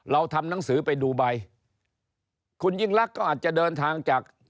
เราทำหนังสือไปดูใบคุณยิ่งลักษณ์ก็อาจจะเดินทางจาก